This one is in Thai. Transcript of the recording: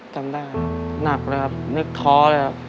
จำได้หนักเลยครับนึกท้อเลยครับ